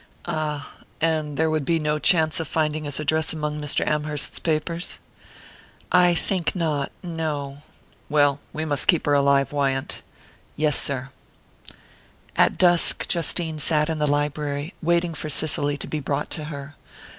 "Ah and there would be no chance of finding his address among Mrs. Amherst's papers?" "I think not no." "Well we must keep her alive, Wyant." "Yes, sir." At dusk, Justine sat in the library, waiting for Cicely to be brought to her.